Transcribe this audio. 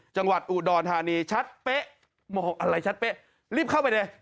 จังหวัดอุดรธานีชัดเป๊ะมองอะไรชัดเป๊ะรีบเข้าไปเลย